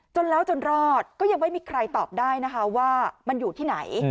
จนแล้วจนรอดก็ยังไม่มีใครตอบได้นะคะว่ามันอยู่ที่ไหน